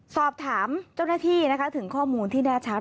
สอบถามเจ้าหน้าที่ถึงข้อมูลที่แนตรวยิง